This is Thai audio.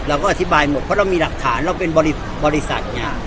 เราก็อธิบายหมดเพราะเรามีหลักฐานเราเป็นบริษัทอย่างนี้